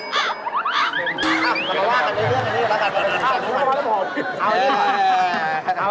เราว่ากันในเรื่องนี้แล้วแต่ว่าน้ำหอม